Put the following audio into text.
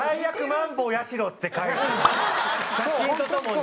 写真とともに。